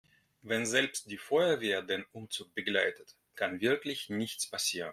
Wenn selbst die Feuerwehr den Umzug begleitet, kann wirklich nichts passieren.